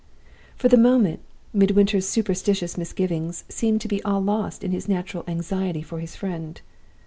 "For the moment, Midwinter's superstitious misgivings seemed to be all lost in his natural anxiety for his friend.